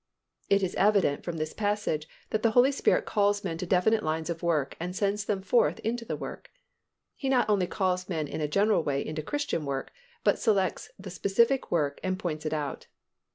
It is evident from this passage that the Holy Spirit calls men into definite lines of work and sends them forth into the work. He not only calls men in a general way into Christian work, but selects the specific work and points it out.